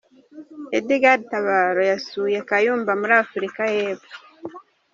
Edgar Tabaro yasuye Kayumba muri Afurika y’Epfo